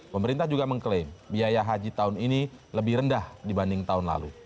pemerintah juga mengklaim biaya haji tahun ini lebih rendah dibanding tahun lalu